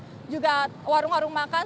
disediakan pompa bensin juga warung warung makan